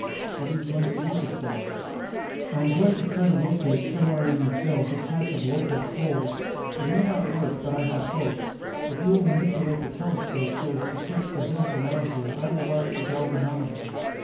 "What are you going to use it for?" "I am going to try to locate somewhere in these hills a patch of local cold. It may not work, but I have hopes. If you will manipulate the telescope so as to search the hills around here, I will watch the galvanometer."